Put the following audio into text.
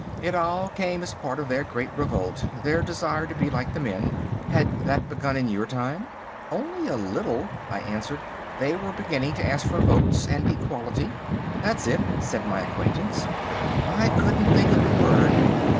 It all came as part of their great revolt, their desire to be like the men. Had that begun in your time?" "Only a little." I answered; "they were beginning to ask for votes and equality." "That's it," said my acquaintance, "I couldn't think of the word.